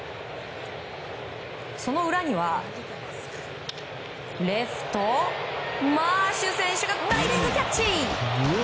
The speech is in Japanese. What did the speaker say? その裏にはレフト、マーシュ選手がダイビングキャッチ！